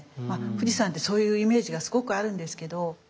まあ富士山ってそういうイメージがすごくあるんですけど。